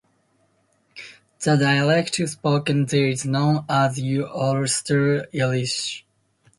The dialect spoken there is known as Ulster Irish.